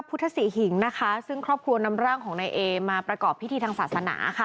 ก็ที่บุคคลของอัยเอมาประกอบพิธีทางศาสนาค่ะ